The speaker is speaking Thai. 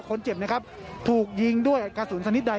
คนเจ็บถูกยิงด้วยกระสุนสนิทใด